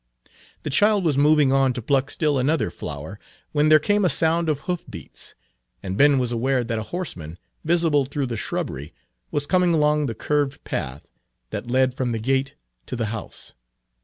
The child was moving on to pluck still another flower, when there came a sound of hoof beats, and Ben was aware that a horseman, visible through the shrubbery, was coming along the curved path that led from the gate to the house.